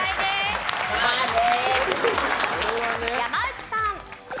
山内さん。